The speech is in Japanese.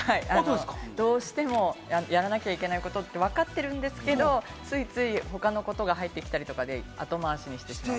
どうしても、やらなきゃいけないことってわかってるんですけれども、ついつい他のことが入ってきたりとかで、後回しにしてしまう。